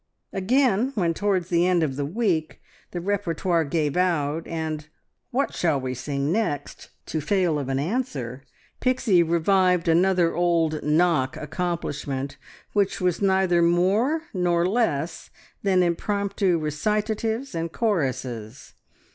Again, when towards the end of the week the repertoire gave out, and "What shall we sing next?" to fail of an answer, Pixie revived another old "Knock" accomplishment, which was neither more nor less than impromptu recitatives and choruses.